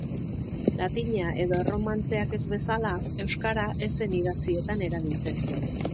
Latina edo erromantzeak ez bezala, euskara ez zen idatzietan erabiltzen.